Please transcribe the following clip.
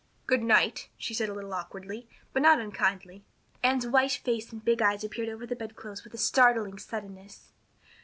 "Good night," she said, a little awkwardly, but not unkindly. Anne's white face and big eyes appeared over the bedclothes with a startling suddenness.